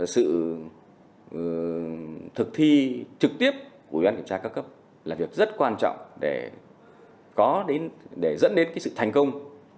sự thực thi trực tiếp của ủy ban kiểm tra cao cấp là việc rất quan trọng để dẫn đến sự thành công